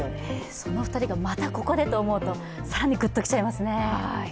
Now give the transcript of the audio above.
その２人がまたここでと思うと更にぐっと来ちゃいますね。